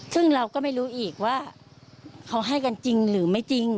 ซึ่งเราก็ไม่รู้อีกว่าเขาให้กันจริงหรือไม่จริง